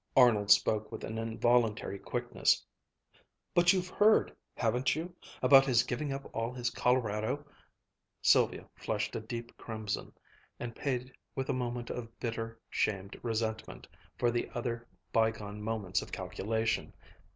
Arnold spoke with an involuntary quickness: "But you've heard, haven't you, about his giving up all his Colorado ..." Sylvia flushed a deep crimson and paid with a moment of bitter, shamed resentment for the other bygone moments of calculation.